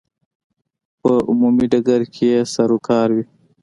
په عمومي ډګر کې یې سروکار وي.